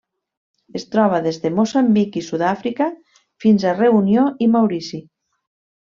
Es troba des de Moçambic i Sud-àfrica fins a Reunió i Maurici.